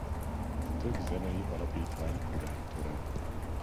Több zenei alapítvány kurátora.